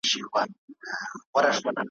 د طلوع افغان جريدې معاون سوم